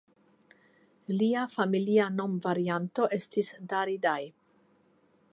Lia familia nomvarianto estis "Daridai".